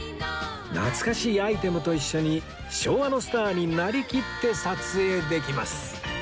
懐かしいアイテムと一緒に昭和のスターになりきって撮影できます